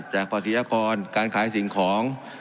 ภาษีอากรการขายสิ่งของ